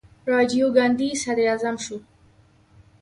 راجیو ګاندي صدراعظم شو.